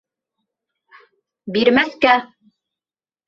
— Бирмәҫкә!